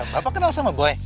bapak kenal sama boy